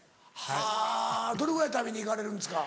はぁどれぐらい食べに行かれるんですか？